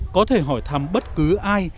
có thể hỏi thăm bất cứ ai